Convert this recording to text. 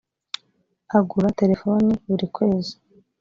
agura telefoni burikwezi.